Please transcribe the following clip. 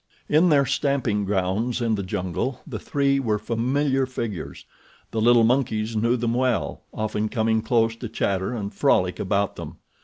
In their stamping grounds in the jungle the three were familiar figures. The little monkeys knew them well, often coming close to chatter and frolic about them.